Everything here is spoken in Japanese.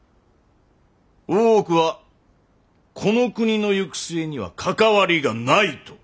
大奥はこの国の行く末には関わりがないと。